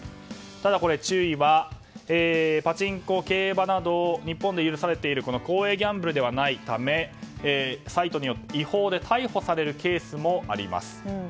ただ、注意はパチンコ、競馬など日本で許されている公営ギャンブルではないためサイトによっては違法で逮捕されるケースもあります。